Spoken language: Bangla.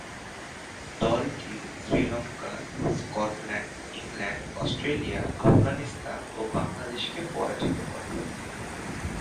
দলটি Sri Lanka, Scotland, England, Australia, Afghanistan ও বাংলাদেশকে পরাজিত করে।